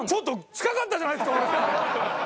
近かったじゃないですか俺！